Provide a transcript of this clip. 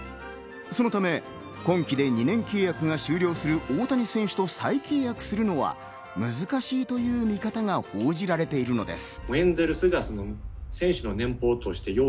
そのため、今季で２年契約が終了する大谷選手と再契約するのは難しいという見方が報じられているのです。